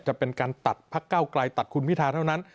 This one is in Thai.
จะเป็นการตัดพักเก้าไกลตัดคุณพิทาเท่านั้น